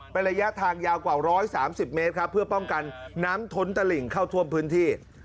เป็นระยะทางยาวกว่า๑๓๐เมตรครับเพื่อป้องกันน้ำท้นตะหลิ่งเข้าท่วมพื้นที่